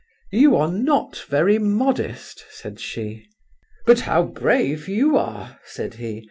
"You are not very modest!" said she. "But how brave you are!" said he.